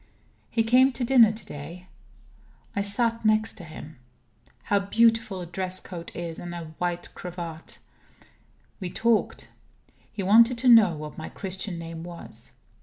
He came to dinner to day. I sat next to him. How beautiful a dress coat is, and a white cravat! We talked. He wanted to know what my Christian name was.